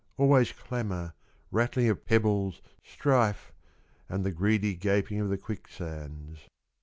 Always clamour, rattling of pebbles, strife, And the greedy gaping of the quicksands.